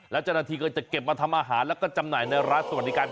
แล้วเจ้าหน้าที่ก็จะเก็บมาทำอาหารแล้วก็จำหน่ายในร้านสวัสดีการ